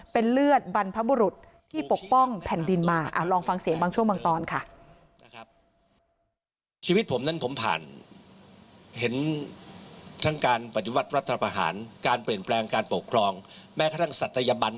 เป็นเลือดบรรพบุรุษที่ปกป้องแผ่นดินมาลองฟังเสียงบางช่วงบางตอนค่ะ